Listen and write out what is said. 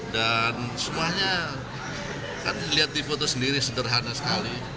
dan semuanya kan dilihat di foto sendiri sederhana sekali